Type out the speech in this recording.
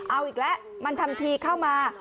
เอาอีกแล้วมันทำทีเข้ามา